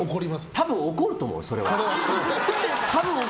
多分怒ると思う、それは。